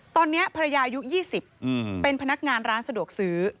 ตอนนี้ภรรยาอายุ๒๐เป็นพนักงานร้านสะดวกซื้อ